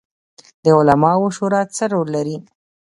د علماوو شورا څه رول لري؟